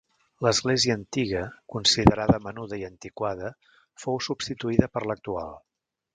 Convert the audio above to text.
L'església antiga, considerada menuda i antiquada, fou substituïda per l'actual.